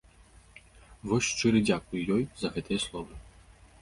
Вось шчыры дзякуй ёй за гэтыя словы!